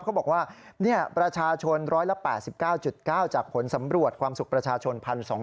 เขาบอกว่าประชาชน๑๘๙๙จากผลสำรวจความสุขประชาชน๑๒๐๐